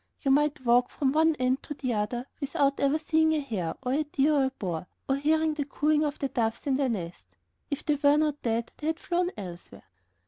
You might walk from one end to the other without ever seeing a hare, or a deer, or a boar, or hearing the cooing of the doves in their nest. If they were not dead, they had flown elsewhere.